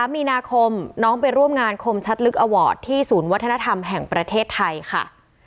มีนาคมน้องไปร่วมงานคมชัดลึกอวอร์ดที่ศูนย์วัฒนธรรมแห่งประเทศไทยค่ะ